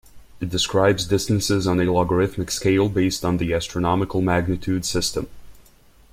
It describes distances on a logarithmic scale based on the astronomical magnitude system.